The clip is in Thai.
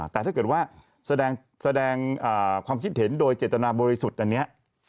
แต่ถ้าเกิดว่าแสดงความคิดเห็นโดยเจตนาบริสุทธิ์อันนี้